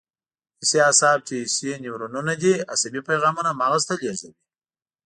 حسي اعصاب چې حسي نیورونونه دي عصبي پیغامونه مغز ته لېږدوي.